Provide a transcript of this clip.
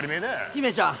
姫ちゃん！